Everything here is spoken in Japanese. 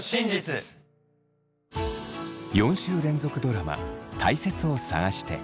４週連続ドラマ「たいせつを探して」。